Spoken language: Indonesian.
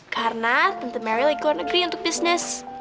karena tante mary lagi gak setuju untuk bisnis